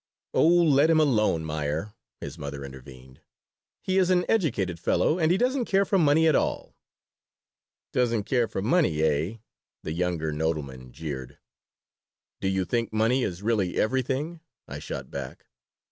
"Oh, let him alone, Meyer," his mother intervened. "He is an educated fellow, and he doesn't care for money at all." "Doesn't care for money, eh?" the younger Nodelman jeered "Do you think money is really everything?" I shot back.